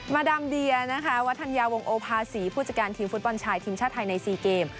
ดามเดียนะคะวัฒนยาวงโอภาษีผู้จัดการทีมฟุตบอลชายทีมชาติไทยใน๔เกม